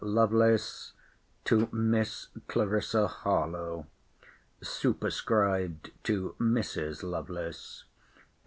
LOVELACE, TO MISS CLARISSA HARLOWE [SUPERSCRIBED TO MRS. LOVELACE.